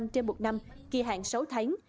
trên một năm kỳ hạn sáu tháng